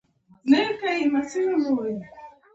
ازادي راډیو د سیاست د منفي اړخونو یادونه کړې.